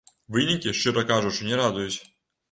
Вынікі, шчыра кажучы, не радуюць.